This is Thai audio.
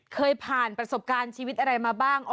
เคยผ่านประสบการณ์ชีวิตอะไรมาบ้าง